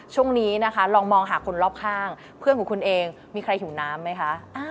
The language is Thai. ช่วงนี้นะคะลองมองหาคนรอบข้างเพื่อนของคุณเองมีใครหิวน้ำไหมคะ